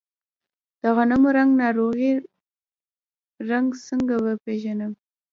د غنمو زنګ ناروغي څنګه وپیژنم؟